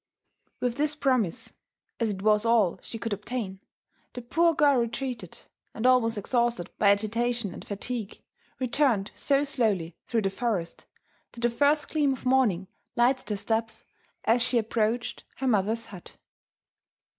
With this promise, as it was all she could obtain, the poor girl re treated, and almost exhausted by agitation and fatigue, returned so slowly through the forest that the first gleam of morning lighted her steps as she approached her mother's hut.